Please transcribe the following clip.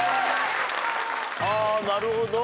あなるほど。